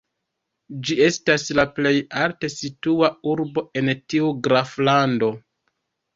Ĝi estas la plej alte situa urbo en tiu graflando.